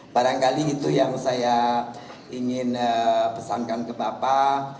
barangkali itu yang saya ingin pesankan ke bapak